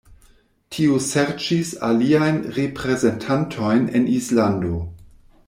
Tiu serĉis aliajn reprezentantojn en Islando.